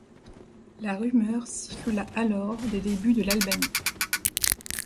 La rumeur circula alors des débuts de l’Albanie.